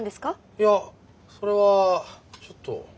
いやそれはちょっと。